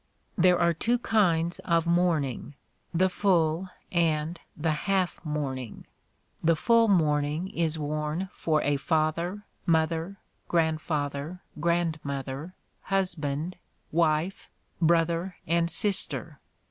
There are two kinds of mourning, the full and the half mourning. The full mourning is worn for a father, mother, grandfather, grandmother, husband, wife, brother and sister.